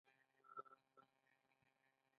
پنځم:مېړه مړ که خو مړانه یې مه وژنه